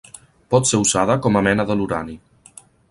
Pot ser usada com a mena de l'urani.